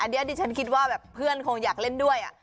อันนี้ดิฉันคิดว่าแบบเพื่อนคงอยากเล่นด้วย